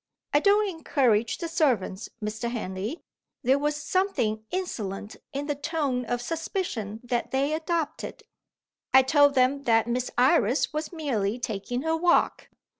I don't encourage the servants, Mr. Henley: there was something insolent in the tone of suspicion that they adopted. I told them that Miss Iris was merely taking her walk.